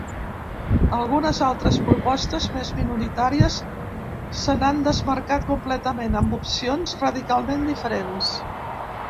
Algunes altres propostes, més minoritàries, se n’han desmarcat completament, amb opcions radicalment diferents.